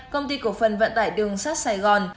công ty cổ phần vận tải đường sắt sài gòn